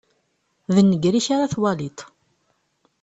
D nnger-ik ara twaliḍ.